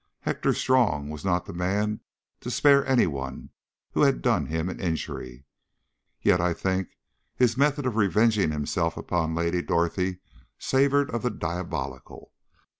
Hector Strong was not the man to spare any one who had done him an injury. Yet I think his method of revenging himself upon Lady Dorothy savoured of the diabolical.